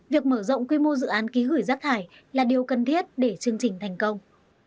việc mở rộng quy mô dự án ký gửi rác thải là điều cần thiết để chương trình thành công